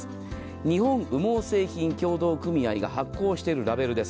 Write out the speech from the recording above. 日本羽毛製品協同組合が発行しているラベルです。